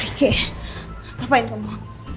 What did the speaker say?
rike ngapain kamu